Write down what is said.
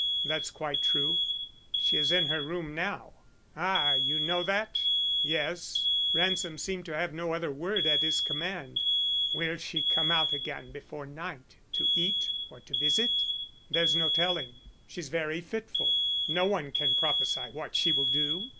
"That's quite true." "She's in her room now. Ah, you know that?" "Yes." Ransom seemed to have no other word at his command. "Will she come out again before night to eat or to visit?" "There's no telling. She's very fitful. No one can prophesy what she will do.